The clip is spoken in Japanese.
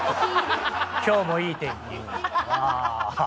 今日もいい天気。